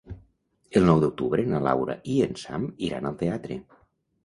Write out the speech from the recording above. El nou d'octubre na Laura i en Sam iran al teatre.